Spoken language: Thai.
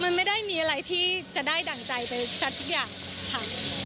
มันไม่ได้มีอะไรที่จะได้ดั่งใจไปซะทุกอย่างค่ะ